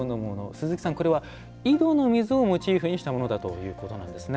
鈴木さん、これは井戸の水をモチーフにしたということなんですね。